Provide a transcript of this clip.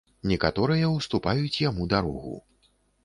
Некаторыя ўступаюць яму дарогу.